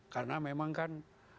karena memang kan